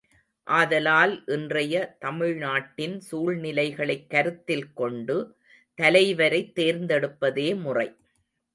ஆதலால் இன்றைய தமிழ்நாட்டின் சூழ்நிலைகளைக் கருத்தில் கொண்டு தலைவரைத் தேர்ந்தெடுப்பதே முறை.